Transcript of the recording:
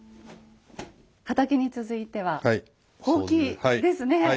はたきに続いてはほうきですね。